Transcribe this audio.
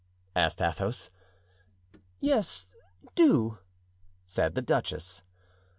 asked Athos. "Yes, do," said the duchess.